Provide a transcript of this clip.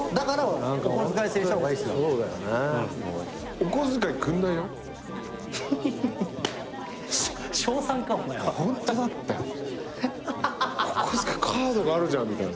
お小遣いカードがあるじゃんみたいな。